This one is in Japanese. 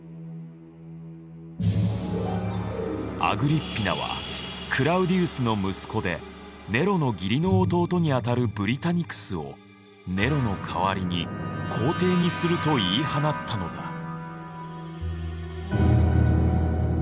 アグリッピナはクラウディウスの息子でネロの義理の弟に当たるブリタニクスをネロの代わりに皇帝にすると言い放ったのだ。